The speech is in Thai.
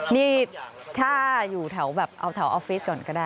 นี่ถ้าอยู่แถวแบบเอาแถวออฟฟิศก่อนก็ได้